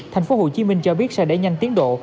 thành phố hồ chí minh cho biết sẽ đẩy nhanh tiến độ